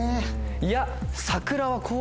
いや。